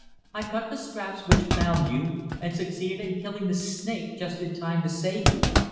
I cut the straps which bound you, and succeeded in killing the snake just in time to save you.